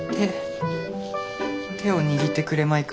手手を握ってくれまいか。